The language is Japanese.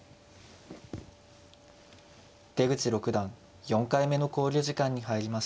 出口六段４回目の考慮時間に入りました。